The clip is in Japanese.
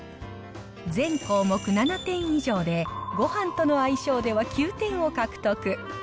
全項目７点以上でごはんとの相性では９点を獲得。